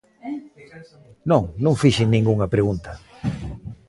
Non, non fixen ningunha pregunta.